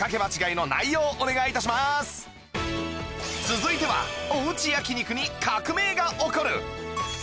続いてはおうち焼肉に革命が起こる！